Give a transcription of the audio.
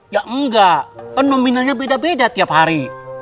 ya enggak nominannya beda beda tiap hari